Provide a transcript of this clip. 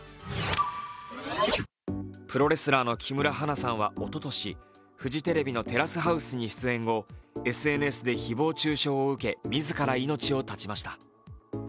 プロレスラーの木村花さんはおととしフジテレビの「テラスハウス」に出演後ＳＮＳで誹謗中傷を受け自ら命を絶ちました。